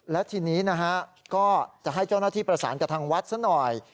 และทีนี้นะฮะก็จะให้เจ้าหน้าที่ประสานกับทางวัดซะหน่อย